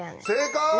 正解！